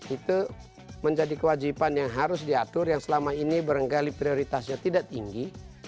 itu menjadi kewajiban yang harus diatur yang selama ini berenggali prioritasnya tidak tinggi